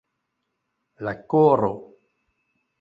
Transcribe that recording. La koro.